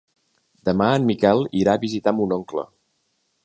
Demà en Miquel irà a visitar mon oncle.